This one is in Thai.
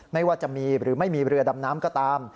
ไม่ว่าจะมีหรือไม่มีเรือดำน้ำก็ตาม